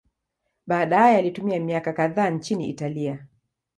Baadaye alitumia miaka kadhaa nchini Italia.